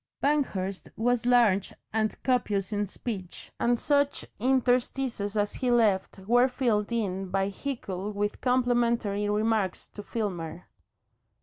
Banghurst was large and copious in speech, and such interstices as he left were filled in by Hickle with complimentary remarks to Filmer.